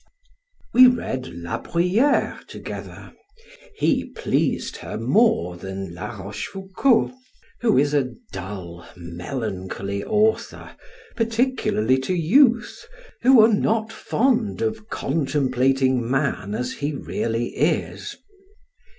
We read Bruyere together; he pleased her more than Rochefoucault, who is a dull, melancholy author, particularly to youth, who are not fond of contemplating man as he really is.